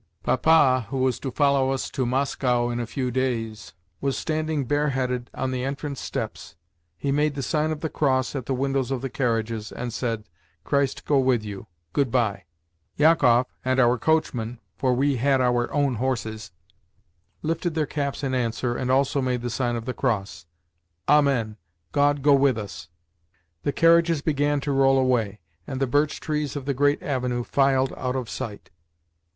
Papa, who was to follow us to Moscow in a few days, was standing bareheaded on the entrance steps. He made the sign of the cross at the windows of the carriages, and said: "Christ go with you! Good bye." Jakoff and our coachman (for we had our own horses) lifted their caps in answer, and also made the sign of the cross. "Amen. God go with us!" The carriages began to roll away, and the birch trees of the great avenue filed out of sight.